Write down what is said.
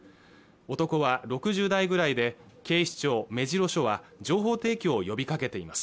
男は６０代くらいで警視庁目白署は情報提供を呼びかけています